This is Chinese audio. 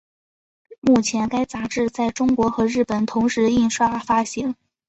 目前该杂志在中国和日本同时印刷发行。